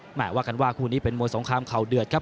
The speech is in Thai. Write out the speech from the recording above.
หมายว่ากันว่าคู่นี้เป็นมวยสงครามเข่าเดือดครับ